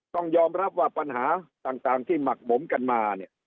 ต้องยอมรับว่าปัญหาต่างที่หมักหมมกันมาเนี่ย